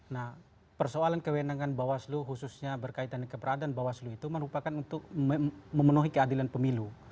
nah persoalan kewenangan bawaslu khususnya berkaitan dengan keberadaan bawaslu itu merupakan untuk memenuhi keadilan pemilu